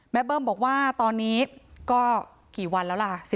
เบิ้มบอกว่าตอนนี้ก็กี่วันแล้วล่ะ